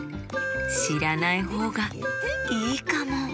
しらないほうがいいかも！